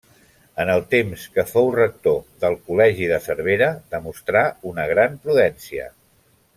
En el temps que fou rector del col·legi de Cervera, demostrà una gran prudència.